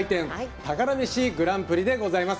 「宝メシグランプリ」でございます。